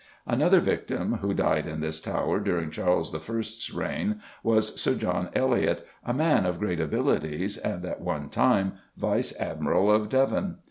Another victim, who died in this tower during Charles I.'s reign, was Sir John Eliot, a man of great abilities and at one time Vice Admiral of Devon.